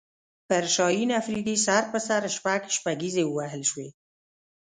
پر شاهین افریدي سر په سر شپږ شپږیزې ووهل شوې